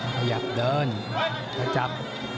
ขยับเดินประจับ